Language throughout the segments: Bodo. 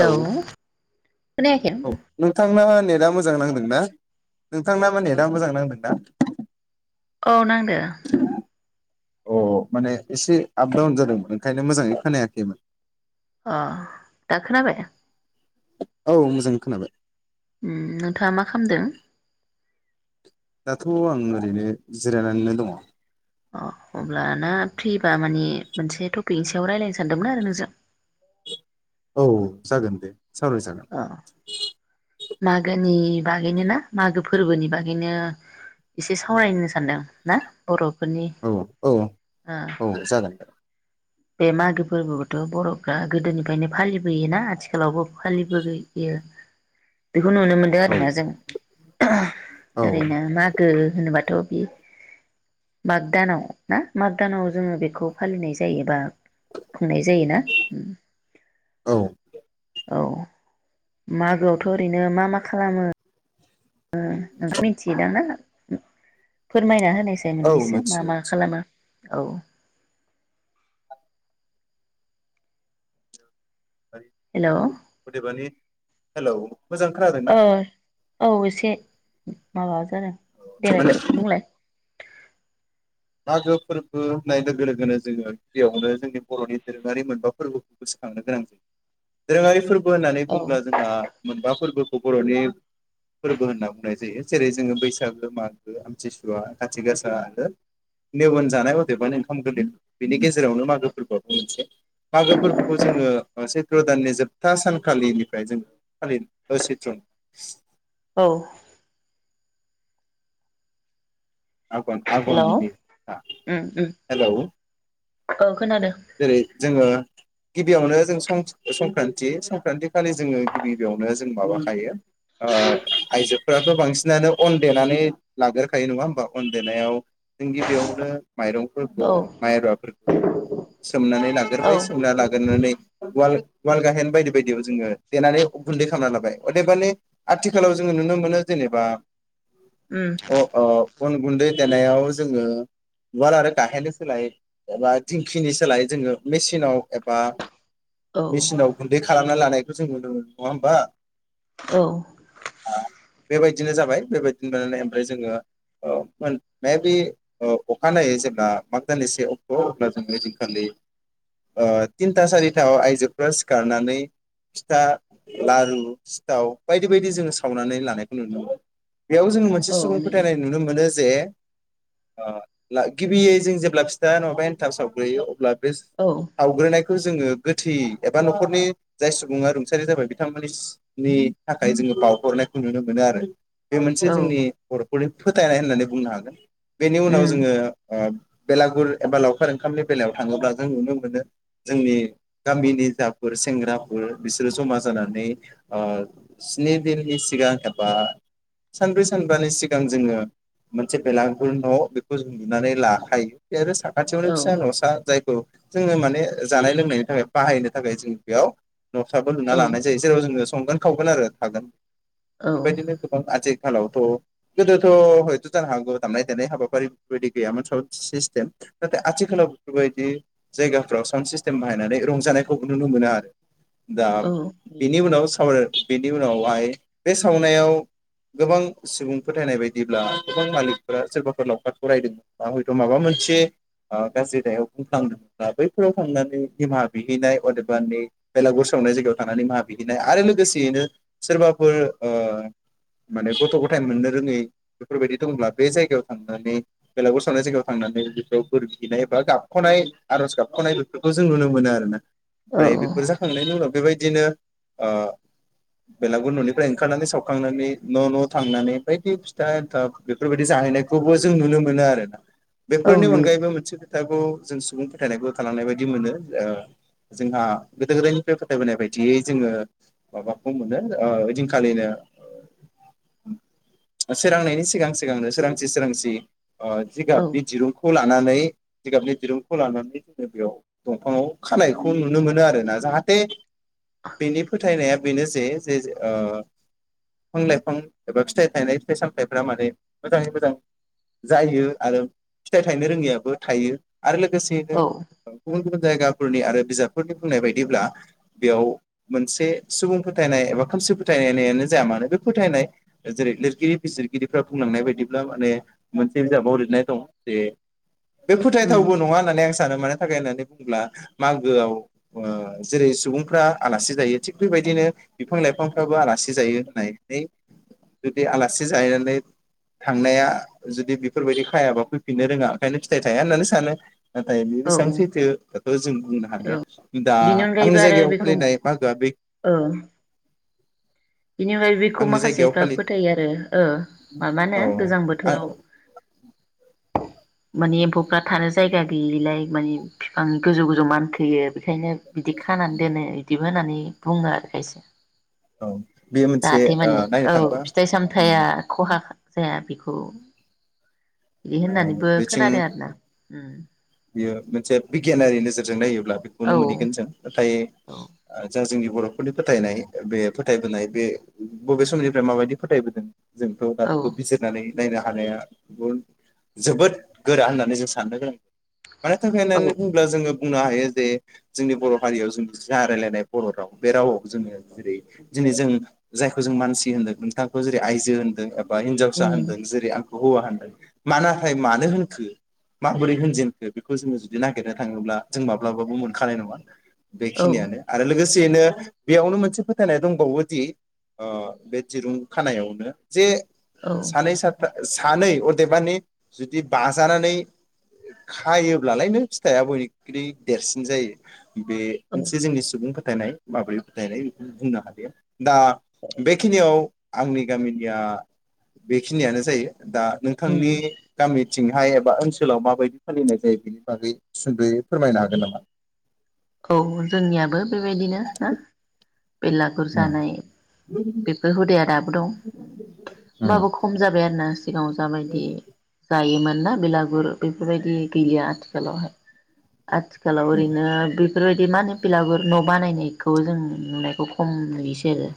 हेलौ खोनायाखै औ नोंथांना नेट दा मोजां नांदोंना, नोंथांना नेदा मोजां नांदोंना? औ नांदो। अ माने एसे आप डाउन जादों ओंखायनो मोजांङै खोनायाखैमोन। अ दा खोनाबाय? औ मोजाङै खोनाबाय। उम नोंथाङा मा खामदो? दाथ आं ओरैनो जिरायनानैनो दङ। अ अब्लाना फ्रिबा माने मोनसे टपिकनि सायाव रायलायनो सानदोंमोन आरो नोंजों। औ जागोन दे। सावराय अ जागोन। मागोनि बागैनो ना मागो फोरबोनि बागैनो इसे सावरायनो सानदों ना बर' औ औ औ जागोन। बे मागो फोरबोखौथ बरफ्रा गोदोनिफ्रायनो फालिबोयोना आथिखालावबो फालिबोयो। बेखौ नुनो मोनदों औ आरोना जों औ ओरैनो मागो होनोबा थ बे माग दानाव ना माग दानाव जोंङो बेखौ फालिनाय जायो। बाह खुंनाय जायोना उम। औ औ मागोआवथ' ओरैनो मा मा खालामो ओ नोंथाङा मिथियोदां ना? फोरमायना हो नायसाय औ मोननैसो मा मिथियो मा मिथियो खालामो औ। हेलौ अदेबानि हेलौ। मोजां खोनादों ना? ओ औ एसे माबा जादों देलाय माने खो बुंलाय? मागो फोरबो होननाय लोगो लोगोनो जोङो गिबियावनो जोंनि बर'नि दोरोङारि मोनबा फोरबोखौ गोसोखांनो गोनां जायो दोरोङारि फोरबो फोर होननानै औ बुंङोब्ला जोंहा मोनबा फोरबो बर'नि फोरबो होनना बुंनाय जायो जेरै जोङो बैसागो मागो आमथिसुवा खाथि गासा आरो नेवन जानाय अदेबानो ओंखाम गोरलै बेनि गेजेरावनो मागो फोरबोआं मोनसे मागो फोरबोखौ जोङो सैत्र दाननि जोबथा सानखालिनिफ्राय जोङो फालिदों सैत्र औ। आगन हेलौ आगननि ना उम उम हेलौ। औ खोनादों। जेरै जोङो गिबियावनो जोंं संक्रान्ति संक्रान्ति खालि जोङो गिबि गिबियावनो जों माबाखायो आइजोफोराबो बांसिनानो अन देनानै लाग्रोखायो नङा होमबा अन देनायाव जों गिबियावनो माइरंफोरखौ औ माइब्राफोरखौ सोमनानै औ लागोरबाय सोमना लाग्रोनानै वाल उवाल गाहेन बायदि बायदियाव जोङो देनानै गुन्दै खालामना लाबाय अदेबानि आथिखालाव जोङो नुनो मोनो जेनेबा उम अ आ। अन गुन्दै देनायाव जोङो उवाल आरो गाहेरनो सोलाय एबा दिंखिनि सोलाय जोङो मेचिनाव एबा औ मेचिनाव गुन्दै खालामना लानाय नुनो मोनो नङा होनबा। औ। बेबायदिनो जाबाय बेबायदिनो [unintelligible] ओमफ्राय जोङो मेबि अखानायै जेब्ला माग दाननि से अक्ट अब्ला जों खालि थिनथा सारिथा आइजोफ्रा सिखारनानै फिथा लारु सिथाव बायदि बायदि जोङो सावनानै लानायखौ नुनो मोनो। बेयाव जोङो मोनसे औ सुबुं नै फोथायनाय नुनो मोनो जे गिबियै जों जेब्ला फिथा नङाबा एन्थाव सावग्रोयो अब्ला बे औ सावग्रोनाय जोङो गोथै एबा न'खरनि जाय सुबुङा रुंसारि जाबाय बिथांमोननिनि थाखाय जोङो बावहरनायखौ नुनो मोनो आरो। बे मोनसे औ जोंनि बर' फोरनि फोथायनाय होननानै बुंनो हागोन। बेनि उनाव उम जोङो बेलागुर एबा लावखार ओंखामनि बेलायाव थाङोब्ला जों नुनो मोनो जोंनि गामिनि जाफोर सेंग्राफोर बिसोरो जमा जानानै स्नि दिननि सिगां एबा सानब्रै सानबानि सिगां जोङो मोनसे बेलगुर न' बेखौ जों लुनानै लाखायो बे आरो सा खाथियावनो औ फिसा न'सा जायखौ जोङो माने जानाय लोंनायनि थाखाय बाहायनो थाखाय जों बेयाव न'साबो लुना औ लानाय जेराव जोंङो संगोन खावगोन आरो थागोन। औ बेबायदिनो गोबां आजि खालावथ' गोदोथ' हयथ' जानो हागौ दामनाय देनाय हाबाफारि बायदि गैयामोन साउन सिस्टेम नाथाय आथिखालाव बेफोरबायदि जायगाफ्राव साउन्ड सिस्टेम बाहायनानै रंजानायखौ नुनो मोना आरो। दा औ बेनि नुयो उनाव सावराय बेनि उन नावहाय बे सावनायाव गोबां सुबुं फोथायनाय बायदिब्ला गोबां मालिकफोरा सोरबाफोर लावखार फरायदों बा हयथ' माबा मोनसे गा बैयाव बुंफ्लांदोंब्ला बैफोराव थांनानै निमा बिहैनाय अदेबानि बेलागुर सावनाय जायगायाव थांनानै निमा बिहैनाय आरो लोगोसेयैनो सोरबाफोर माने गथ' गथाय मोननो रोङै बेफोरबायदि दंब्ला बे जायगायाव थांनानै बेलागुर सावनाय जायगायाव थांनानै बेफोराव बोर बिहैनाय गाबख'नाय आरज गाबख'नाय बेफोरखौ जों नुनो मोनो आरो ना। औ ओमफ्राय बेफोर जाखांनायनि उनाव बेबायदि बिदिनो बेलागुर न'निफ्राय ओंखारनानै सावखांनानै न न थांनानै बायदि फिथा एन्थाब बेफोरबायदि जाहैनायखौबो जों नुनो मोनो आरोना। औ बेफोरनि नुयो अनगायैबो मोनसे जों सुबुं फोथायनायखौ होखांनाय बायदि मोनो जोंहा गोदो गोदायनिफ्राय फोथायबोनाय बायदियै जोङो माबाखौ मोनो ओइदिनखालिनो सोरांनायनि सिगां सिगांनो सोरांसि सोरांसि अ औ जिगाबनि दिरुंखौ ला लानानै जिगाबनि दिरुंखौ लानानै जोङो बेयाव दंफाङाव खानायखौ नुनो मोनो आरोना जाहाथे बेनि फोथायनाया बेनो जे जे बिफां लाइफां एबा फिथाइ थायनाय फिथाइ सामथायाइफ माने मोजाङै मोजां जायो आरो फिथाइ थायनो रोङियाबो थायो। आरो लोगोसेयैनो औ गुबुन गुबुन जायगाफोरनि आरो बिजाबफोरनि बुंनाय बायदिब्ला बेयाव मोनसे सुबुं फोथायनाय एबा खोमसि फोथायनायानो जाया मानो बे फोथायनाय जेरै लिरगिरि बिजिरगिरिफ्रा बुंलांनाय बायदिब्ला माने मोनसे बिजाबाव लिरनाय दं जे बे उम फोथायथावबो नङा होननानै आं सानो माने थाखाय होननानै बुङोब्ला मागोआव जेरै सुबुंफ्रा आलासि जायो थिग बेबायदिनो बिफां लाइफांफ्राबो आलासि जायो होननाय जुदि आलासि जानानै थांनाया जुदि बेफोरबायदि खायाबा फैफिननो रोङा ओंखायनो फिथाइ थाया होननानै सानो। नाथाइ बेसेबां औ सैथो जों बुंनो हालिया दा बिनि आंनि अनगायैबो आरो जायगायाव बेखौ फालिनाय मागोआ बे बेनि अनगायो बेखौ आंनि जायगायाव माखासेफ्रा फालि फोथायो आरो ओ मा माबानो औ गोजां आं बोथोराव माने एम्फौफ्रा थानो जायगा गैयिलाय माने बिफांनि गोजौ गोजौ मानखोयो बेखायनो बिदि खानानै दोनो इदि। बिबो होननानै बुङो आरो खाय औ बेयो मोनसे जाहाथे ओ माने नायनो औ थांबा ओ फिथाइ सामथाया खहा जाया बेखौ बिदि होननानैबो बेथिं खोनादों आरो ना। उम बियो मोनसे बिगियानारि नोजोरजों नायो। नो औ मोनहैगोन ओमफाय औ जों जोंनि बर'फोरनि फोथायनाय बे फोथायबोनाय बे बबे समनिफ्राय माबायदि फोथायबोदों। जोंथ दा औ बेखौ बिजिरनानै नायनो हानाया जोबोद गोरा होननानै जों साननो गोनां। मानि थाखाय औ होननानै बुङोब्ला जोङो बुंनो हायो जे जोंनि बर' हारियाव जों रायलायनाय बर राव बे रावाव जोङो जेरै दिनै जों जायखौ जों मानसि होन्दों नोंथांखौ जेरै आइजो होन्दों। बा हिन्जावसा उम होनदों जेरै आं हौवा होनदों मा नाथाय मानो होनखो माबोरै होनजेन बेखौ जोङो जुदि नागिरनो थाङोब्ला जों माब्लाबाबो मोनखानाय नङा। औ बेखिनियानो आरो लोगोसे लोगोसेनो बेयावनो मोनसे फोथायनाय दंबावोदि बे दिरुं खानायावनो जे औ सानै सथा सानै अदेबानि जुदि बाजानानै खायोब्लालाय नों फिथाइआ बयनिख्रु देरसिन जायो। बे मोनसे जोंनि सुबुंफोर फोथायनाय माबोरै फोथायनाय बेखौ बुंनो हालिया दा बेखिनियाव आंनि गामिनिया बेखिनियानो जायो। दा उम नोंथांनि गामि थिंहाय एबा ओनसोलाव माबायदि? फालिनाय जायो बेनि बागै सुदयै फोरमायनो हागोन नामा? औ जोंनियाबो बेबायदिनो ना। बेलागुर जानाय बेफोर हुदाया दाबो दं। होमबाबो खम जाबाय आरोना। सिगाङाव जाबायदि जायोमोन। ना बेलागुर बेफोरबायदि गैलिया आथिखालावहाय। आथिखालाव ओरैनो बे बेफोरबायदि मा होनो बिलागुर न' बानायनायखौ जों नुनायखौ खम नुयोसै आरो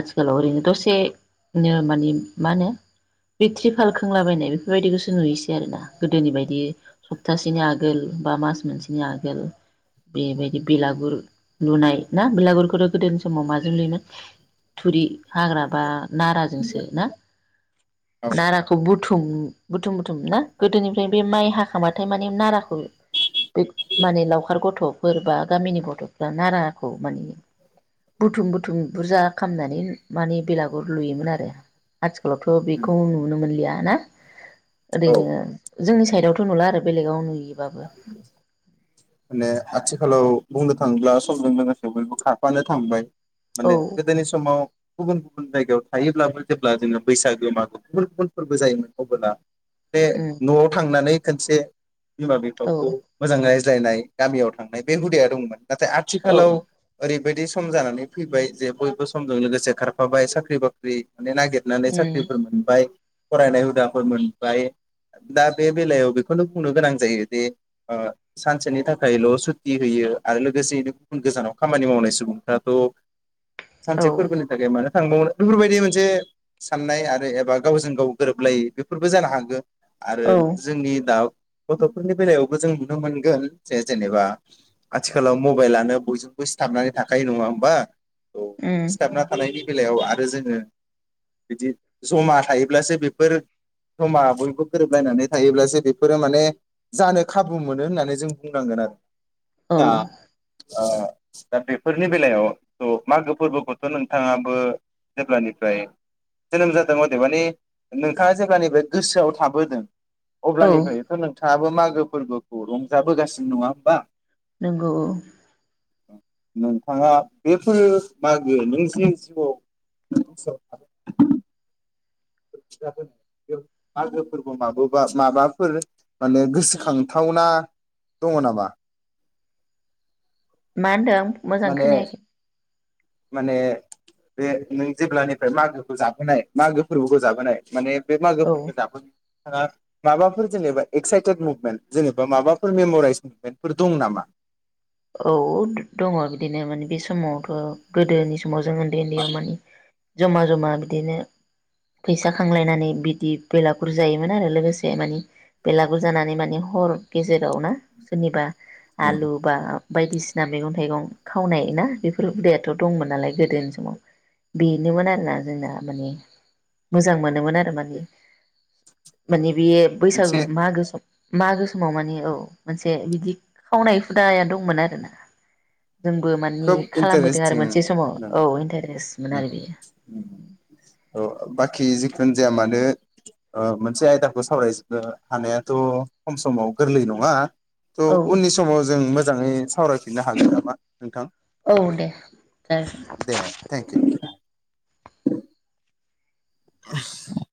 आथिखालाव ओरैनो दसेनो मानि मा होनो थ्रिपाल खोंलाबायनाय बेफोरबायदिखौसो नुयोसै आरोना गोदोनि बायदि सप्तासेनि आगोल बा मास मोनसेनि आगोल बेबायदि बेलागुर लुनाय ना बिलागुरखौथ' गोदोनि समाव माजों लुयोमोन थुरि हाग्रा बा नाराजोंसो ना औ नाराखौ बुथ बुथुम बुथुम बुथुम ना गोदोनिफ्राय बे माइ हाखांबाथाय माने नाराखौ बे माने लावखार गथ गथ'फोर बा गामिनि गथ'फ्रा नाराखौ माने बुथुम बुथुम बुरजा खालामामनानै माने बेलागुर लुयोमोन आरो आथि थिखालावथ' बेखौ नुनो मोनलिया। ना औ ओरैनो जोंनि साइडआवथ' नुला आरो बेलेगाव नुयोबाबो। थिखालाव बुंनो थाङोब्ला समजों लोगोसे बयबो खारफानो थांबाय औ माने गोदोनि समाव गुबुन गुबुन जायगायाव थायोब्लाबो जेब्ला जोङो बैसागो मागो गुबुन गुबुन फोरबो जायोमोन अबोला बे उम न'आव थांनानै खोनसे बिमा औ बिफाखौ मोजांङै बुजायनाय गामियाव थांनाय बे हुदाया दंमोन। नाथाय औ आथिखालाव ओरै बादि सम जानानै फैबाय जे बयबो समजों लोगोसे खारफाबाय साख्रि बाख्रि माने नागिरनानै उम साख्रिफोर मोनबाय फरायनाय हुदाफोर मोनबाय दा बे बेलायाव बेखौ खोनो बुंनो गोनां जायो दि ओ सानसेनि थाखायल' सुति होयो आरो लोगोसेयैनो गुबुन गोजानाव खामानि मावनाय सुबुंफ्राथ' औ सानसे फोरबोनि थाखाय मानो थांबावनो बेफोरबायदि मोनसे साननाय आरो एबा गावजों गाव गोरोबलायि बेफोरबो जानो हागो। आरो औ जोंनि दा गथ'फोरनि बेलायावबो जों नुनो मोनगोन जे जेनेबा आथिखालाव मबाइलानो बयजोंबो सिथाबनानै थाखायो नङा होमबा? औ उम सिथाबना थानायनि बेलायाव आरो जोङो बिदि जमा थायोब्लासो बेफोर जमा बयबो गोरोबलायनानै थायोब्लासो बे बेफोरो माने जानो खाबु मोनो होननानै जों बुंनांगोन आरो। औ दा ओ दा बेफोरनि बेलायाव ओ मागो फोरबोखौथ' नोंथाङाबो जेब्लानिफ्राय जोनोम जादों अदेबानि नोंथाङा जेब्लानिफ्राय गोसोआव थाबोदों औ। अब्लानिफ्रायथ' नोंथाङाबो मागो फोरबोखौ रंजाबोगासिनो नङा होमबा? नंगौ औ। नोंथाङा बेफोर मागो नों जे जिउआव [inaudible] [inaudible] मागो फोरबो माबोबा माबाफोर माने गोसोखांथावना दङ नामा? मा होनदों? मोजां माने खोनायाखै। माने बे नों जेब्लानिफ्राय मागोखौ जाबोनाय मागो फोरबोखौ जाबोनाय माने बे औ मागोफोरबो जाबो फ्रा माबाफोर जेनेबा एक्साइटेड मुभमेन्ट जेनेबा माबाफोर मेमराइस मुभमेन्टफोर दं नामा? औ द-दङ। बिदिनो माने बे समावथ' गोदोनि स समाव जोंङो देलिआव मानि जमा जमा बिदिनो फैसा खांलायनानै बिदि बेलागुर जायोमोन आरो लोगोसे माने बेलागुर जानानै माने हर गेजेराव ना सोरनिबा आलु बा बायदिसिना मैगं थाइगं खावनाय ना बेफोर हुदायाथ' दंमोन नालाय गोदोनि समाव बेनोमोन आरोना जोंना माने मोजां मोनोमोन आरो माने माने बेयो बैसागु मोनसे मागो सम मागो समाव माने औ मोनसे बिदि खावनाय हुदाया दं मोन आरो ना खोब इन्टारेस्टिं समाव औ इन्टारेस्टमोन आरो बेयो [unintelligible] अ बाखि जिखुन जाया मानो ओ मोनसे आयदाखौ सावरायनो हानायाथ' खम समाव गोरलै नङा थ' औ उननि समाव जों मोग जाङै सावरायफिननो हागोन नामा नोंथां औ दे जागोन दे थेंकिउ। [unintelligible]